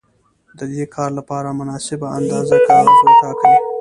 د دې کار لپاره مناسبه اندازه کاغذ وټاکئ.